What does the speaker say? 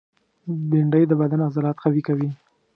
بېنډۍ د بدن عضلات قوي کوي